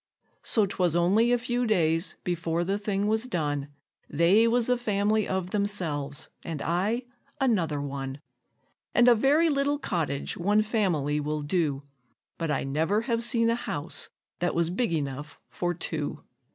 So 'twas only a few days before the thing was done They was a family of themselves, and I another one; And a very little cottage one family will do, But I never have seen a house that was big enough for two.